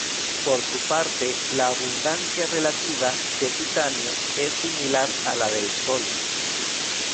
Por su parte, la abundancia relativa de titanio es similar a la del Sol.